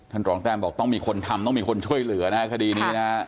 รองแต้มบอกต้องมีคนทำต้องมีคนช่วยเหลือนะฮะคดีนี้นะฮะ